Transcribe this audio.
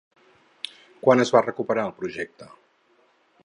Quan es va recuperar el projecte?